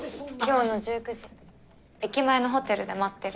今日の１９時駅前のホテルで待ってる。